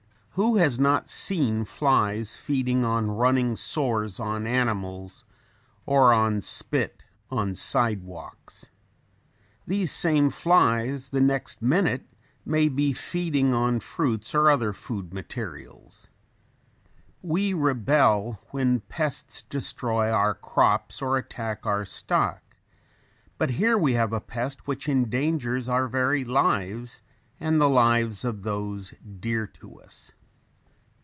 Who has not seen flies feeding on running sores on animals, or on "spit" on sidewalks? These same flies the next minute may be feeding on fruits or other food materials. We rebel when pests destroy our crops or attack our stock, but here we have a pest which endangers our very lives, and the lives of those dear to us.